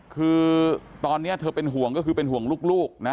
คือตอนนี้เธอเป็นห่วงก็คือเป็นห่วงลูกนะ